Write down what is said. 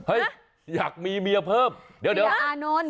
เฮ้ยอยากมีเมียเพิ่มเดี๋ยว